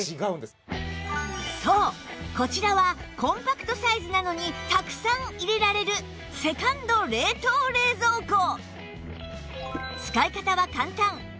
そうこちらはコンパクトサイズなのにたくさん入れられるセカンド冷凍・冷蔵庫